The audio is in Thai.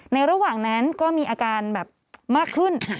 ระหว่างนั้นก็มีอาการแบบมากขึ้น